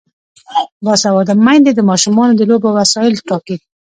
باسواده میندې د ماشومانو د لوبو وسایل ټاکي.